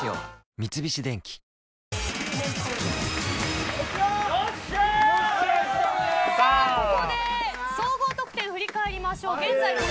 三菱電機ここで総合得点を振り返りましょう。